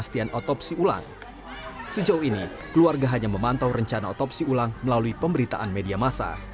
sejauh ini keluarga hanya memantau rencana otopsi ulang melalui pemberitaan media masa